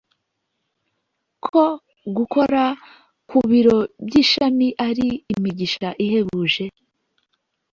ko gukora ku biro by'ishami ari imigisha ihebuje